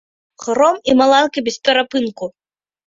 Гром і маланка бесперапынку.